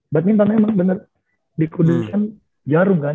badminton emang bener di kudus kan jarum kan